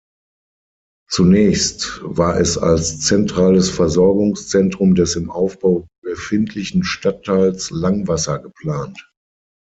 Zunächst war es als zentrales Versorgungszentrum des im Aufbau befindlichen Stadtteils Langwasser geplant.